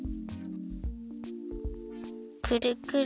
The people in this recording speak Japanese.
くるくる。